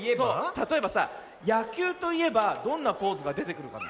たとえばさやきゅうといえばどんなポーズがでてくるかな？